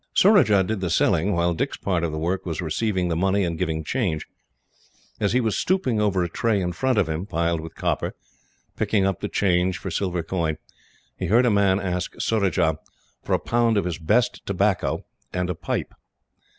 Surajah did the selling, while Dick's part of the work was receiving the money and giving change. As he was stooping over a tray in front of him, piled with copper, picking up the change for silver coin, he heard a man ask Surajah for a pound of his best tobacco and a pipe.